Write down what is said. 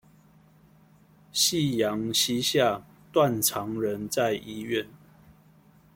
夕陽西下，斷腸人在醫院